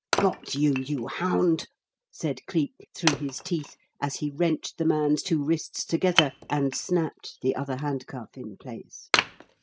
"Got you, you hound!" said Cleek, through his teeth as he wrenched the man's two wrists together and snapped the other handcuff into place.